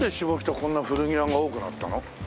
こんな古着屋が多くなったの？